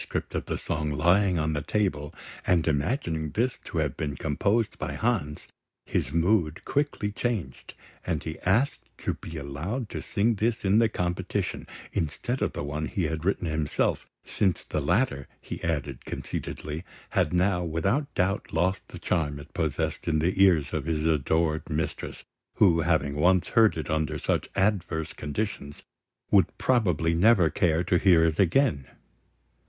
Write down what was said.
of the song lying on the table, and imagining this to have been composed by Hans, his mood quickly changed, and he asked to be allowed to sing this in the competition, instead of the one he had himself written, since the latter, he added conceitedly, had now without doubt lost the charm it possessed in the ears of his adored mistress, who, having once heard it under such adverse conditions, would probably never care to hear it again.